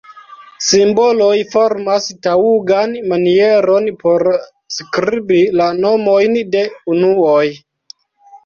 Simboloj formas taŭgan manieron por skribi la nomojn de unuoj.